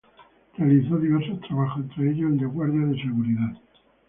Realizó diversos trabajos, entre ellos el de guardia de seguridad.